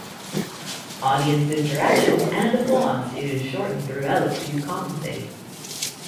Audience interaction and applause is shortened throughout to compensate.